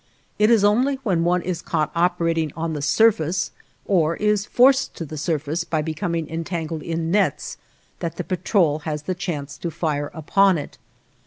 It is only when one is caught operating on the surface, or is forced to the surface by becoming entangled in nets, that the patrol has the chance to fire upon it.